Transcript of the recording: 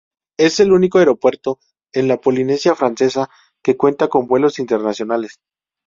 Es el único aeropuerto en la Polinesia Francesa que cuenta con vuelos internacionales.